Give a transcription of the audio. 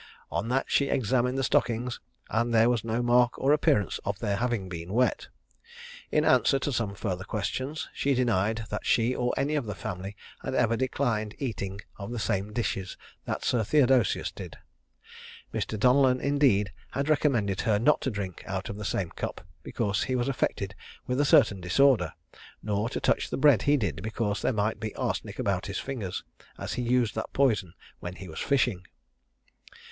On that she examined the stockings, and there was no mark or appearance of their having been wet. In answer to some further questions, she denied that she or any of the family had ever declined eating of the same dishes that Sir Theodosius did. Mr. Donellan, indeed, had recommended to her not to drink out of the same cup, because he was affected with a certain disorder; nor to touch the bread he did, because there might be arsenic about his fingers, as he used that poison when he was fishing.